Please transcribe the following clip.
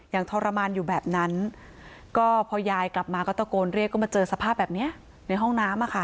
ทรมานอยู่แบบนั้นก็พอยายกลับมาก็ตะโกนเรียกก็มาเจอสภาพแบบนี้ในห้องน้ำ